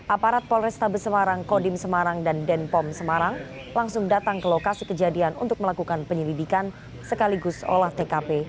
aparat polrestabes semarang kodim semarang dan denpom semarang langsung datang ke lokasi kejadian untuk melakukan penyelidikan sekaligus olah tkp